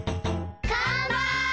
かんぱい！